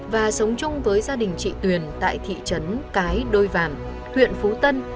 và sống chung với gia đình chị tuyền tại thị trấn cái đôi vàm huyện phú tân